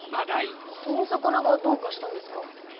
その魚がどうかしたんですか？